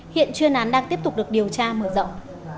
hiện chuyên án đang tiếp tục được điều tra mở rộng